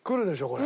これ。